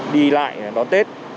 đi lại đón tết